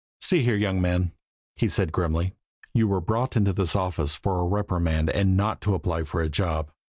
"See here, young man," he said grimly, "you were brought into this office for a reprimand and not to apply for a job!